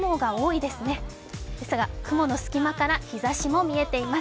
ですが雲の隙間から日ざしも見えています。